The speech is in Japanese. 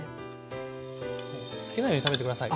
好きなように食べて下さい。